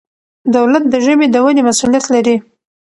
دولت د ژبې د ودې مسؤلیت لري.